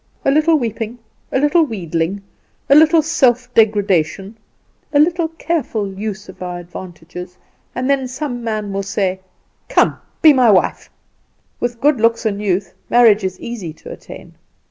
A little weeping, a little wheedling, a little self degradation, a little careful use of our advantages, and then some man will say: "Come, be my wife!" With good looks and youth marriage is easy to attain.